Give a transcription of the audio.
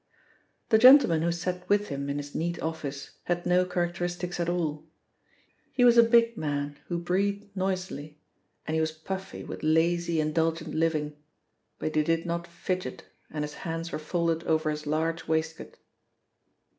The gentleman who sat with him in his neat office had no characteristics at all. He was a big man, who breathed noisily, and he was puffy with lazy, indulgent living, but he did not fidget and his hands were folded over his large waistcoat.